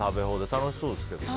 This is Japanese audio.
楽しそうですけどね。